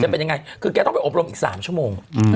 จะเป็นยังไงคือแกต้องไปอบรมอีก๓ชั่วโมง